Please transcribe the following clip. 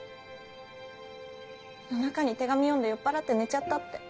夜中に手紙読んで酔っ払って寝ちゃったって